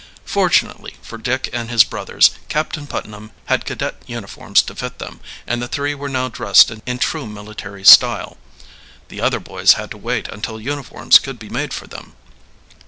Fortunately for Dick and his brothers, Captain Putnam had cadet uniforms to fit them, and the three were now dressed in true military style. The other boys had to wait until uniforms could be made for them.